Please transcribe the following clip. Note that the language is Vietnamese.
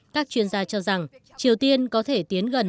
các chuyên gia cho rằng triều tiên có thể tiến gần